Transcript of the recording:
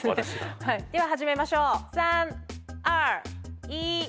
では始めましょう３２１。